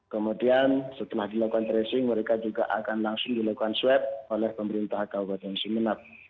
kemudian setelah dilakukan tracing mereka juga akan langsung dilakukan swab oleh pemerintah kabupaten sumeneb